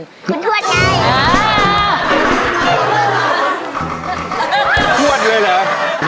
คุณทวดไงคุณทวดไง